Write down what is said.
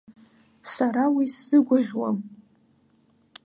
Сара уи сзыгәаӷьуам.